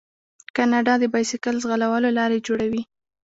کاناډا د بایسکل ځغلولو لارې جوړوي.